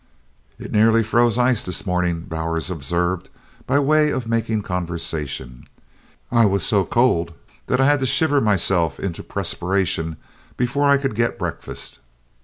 "It near froze ice this mornin'," Bowers observed by way of making conversation. "I was so cold that I had to shiver myself into a pressperation before I could get breakfast."